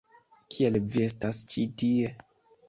Kiel vi estas ĉi tie?